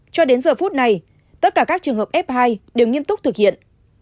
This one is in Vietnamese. cho đến giờ phút này tất cả các trường hợp f hai đều nghiêm túc thực hiện